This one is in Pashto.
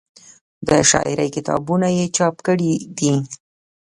د شاعرۍ کتابونه یې چاپ کړي دي